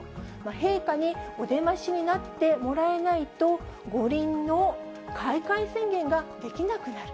陛下にお出ましになってもらえないと、五輪の開会宣言ができなくなる。